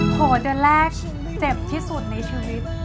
โหเดือนแรกเจ็บที่สุดในชีวิต